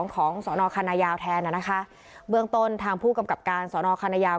ของสอนอคณะยาวแทนอ่ะนะคะเบื้องต้นทางผู้กำกับการสอนอคณะยาว